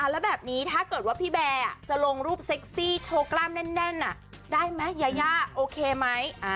แล้วแบบนี้ถ้าเกิดว่าพี่แบร์จะลงรูปเซ็กซี่โชว์กล้ามแน่นได้ไหมยายาโอเคไหม